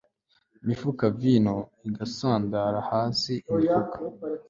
mifuka vino igasandara hasi imifuka